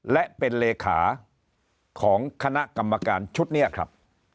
และเป็นเลขาของคณะกรรมการชุดนี้ครับ